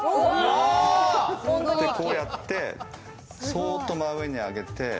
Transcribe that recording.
こうやって、そっと真上に上げて。